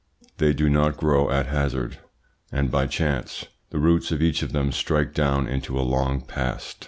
They do not grow at hazard and by chance; the roots of each of them strike down into a long past.